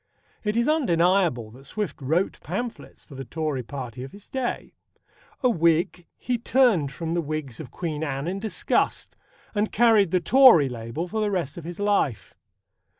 It is undeniable that Swift wrote pamphlets for the Tory Party of his day. A Whig, he turned from the Whigs of Queen Anne in disgust, and carried the Tory label for the rest of his life.